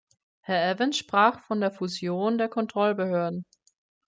Herr Evans sprach von der Fusion der Kontrollbehörden.